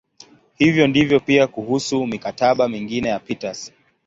Hivyo ndivyo pia kuhusu "mikataba" mingine ya Peters.